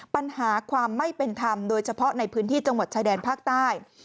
ปัญหาความไม่เป็นธรรมโดยเฉพาะในพื้นที่จังหวัดชายแดนภาคใต้